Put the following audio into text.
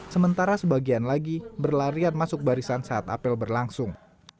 sementara sebagian lagi berlarian masuk barisan saat apel berlangsung